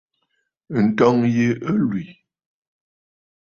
Ǹtɔ̀ŋgə̂ yi ɨ lwì.